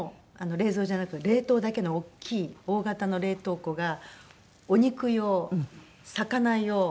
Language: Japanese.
冷蔵じゃなくて冷凍だけの大きい大型の冷凍庫がお肉用魚用